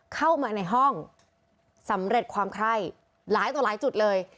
เข้ามาในห้องสำเร็จความไคร้หลายต่อหลายจุดเลย